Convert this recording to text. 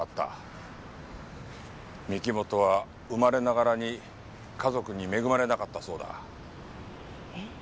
御木本は生まれながらに家族に恵まれなかったそうだ。え？